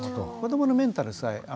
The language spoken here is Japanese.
子どものメンタルさえ